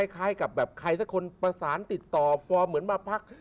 คล้ายกับแบบใครสักคนประสานติดต่อฟอร์มเหมือนมาพัก